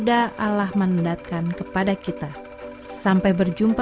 akibat dari konsep diri yang buruk